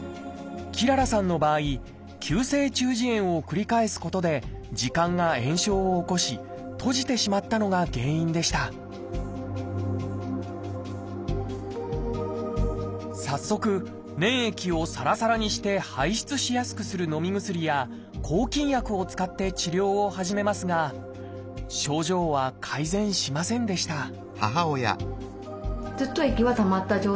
きららさんの場合急性中耳炎を繰り返すことで耳管が炎症を起こし閉じてしまったのが原因でした早速粘液をさらさらにして排出しやすくするのみ薬や抗菌薬を使って治療を始めますが症状は改善しませんでした